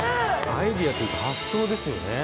アイデアというか発想ですよね。